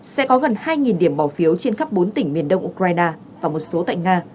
sẽ có gần hai điểm bỏ phiếu trên khắp bốn tỉnh miền đông ukraine và một số tại nga